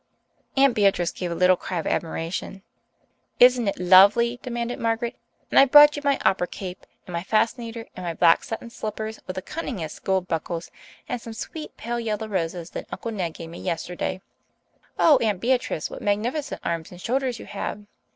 Aunt Beatrice gave a little cry of admiration. "Isn't it lovely?" demanded Margaret. "And I've brought you my opera cape and my fascinator and my black satin slippers with the cunningest gold buckles, and some sweet pale yellow roses that Uncle Ned gave me yesterday. Oh, Aunt Beatrice! What magnificent arms and shoulders you have!